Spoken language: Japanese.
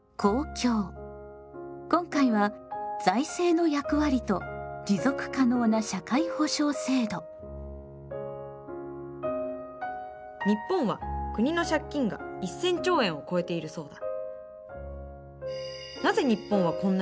今回は「財政の役割と持続可能な社会保障制度」。日本は国の借金が１，０００兆円を超えているそうだ。